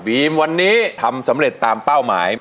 วันนี้ทำสำเร็จตามเป้าหมาย